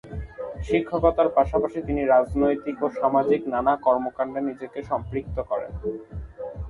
শিক্ষকতার পাশাপাশি তিনি রাজনৈতিক ও সামাজিক নানা কর্মকান্ডে নিজেকে সম্পৃক্ত করেন।